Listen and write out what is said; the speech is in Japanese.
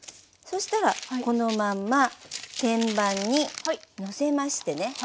そしたらこのまんま天板にのせましてね。